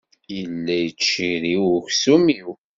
Yella yettcirriw uksum-iw.